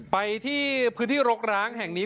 ไปที่พื้นที่รกร้างแห่งนี้